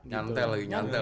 nyantel lagi nyantel